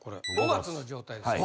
５月の状態です。